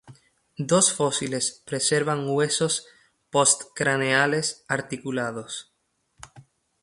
Dos fósiles preservan huesos postcraneales articulados.